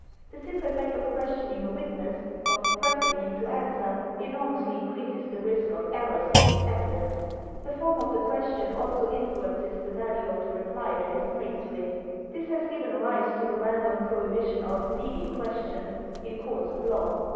The simple fact of questioning a witness, of pressing him to answer, enormously increases the risk of errors in his evi dence. The form of the question also influences the value of the reply that is made to it. This has given rise to the well known prohibition of " leading questions " in courts of law.